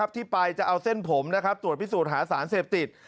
ที่ไปจะเอาเส้นผมตรวจพิสูจน์หาสารเสพติด